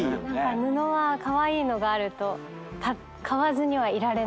布はカワイイのがあると買わずにはいられないっていう。